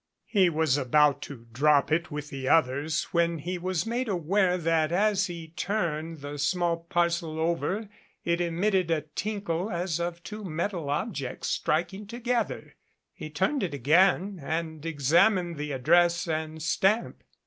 He was about to drop it with the others when he was made aware that as he turned the small parcel over it emitted a tinkle as of two metal 883 MADCAP objects striking together. He turned it again and ex amined the address and stamp.